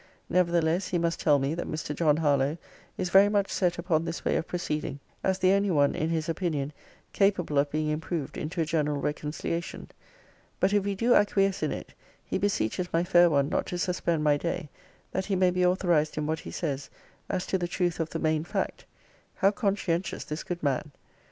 Nevertheless, he must tell me, that Mr. John Harlowe is very much set upon this way of proceeding; as the only one, in his opinion, capable of being improved into a general reconciliation. But if we do acquiesce in it, he beseeches my fair one not to suspend my day, that he may be authorized in what he says, as to the truth of the main fact. [How conscientious this good man!